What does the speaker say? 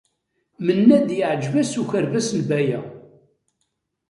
Mennad yeɛjeb-as ukerbas n Baya.